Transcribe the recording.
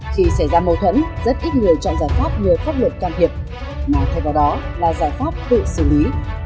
khi xảy ra mâu thuẫn rất ít người chọn giải pháp nhờ pháp luật can thiệp mà thay vào đó là giải pháp tự xử lý